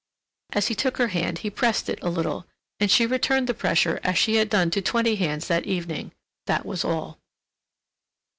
As he took her hand he pressed it a little, and she returned the pressure as she had done to twenty hands that evening—that was all.